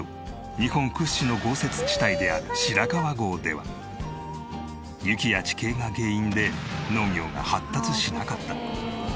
日本屈指の豪雪地帯である白川郷では雪や地形が原因で農業が発達しなかった。